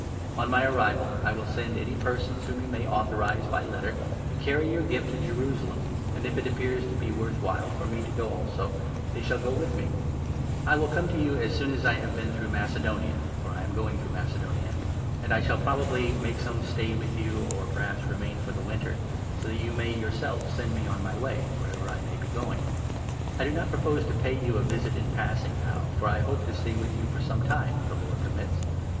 On my arrival, I will send any persons, whom 3 you may authorize by letter, to carry your gift to Jerusalem ; and, if it appears to be worth while for me to go also, they 4 shall go with me. The Apostle's I wi" come to you as soon as I have been 5 Plans. through Macedonia — for I am going through Macedonia — and I shall probably make some stay with you or, 6 perhaps, remain for the winter, so that you may yourselves send me on my way, wherever I may be going. I do not 7 propose to pay you a visit in passing now, for I hope to stay with you for some time, if the Lord permits.